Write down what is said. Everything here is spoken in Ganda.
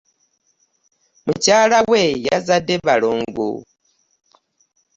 Mukyala we yazadde balongo.